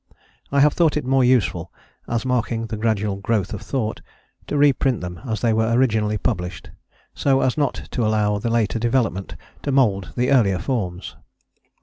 I have thought it more useful as marking the gradual growth of thought to reprint them as they were originally published, so as not to allow the later development to mould the earlier forms.